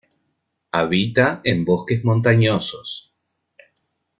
Habita en bosques montañosos.